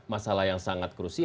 masalah yang sangat krusial